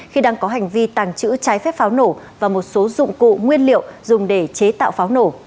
khi đang có hành vi tàng trữ trái phép pháo nổ và một số dụng cụ nguyên liệu dùng để chế tạo pháo nổ